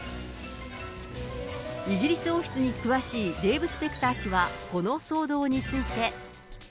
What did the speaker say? イギリス王室に詳しいデーブ・スペクター氏はこの騒動について。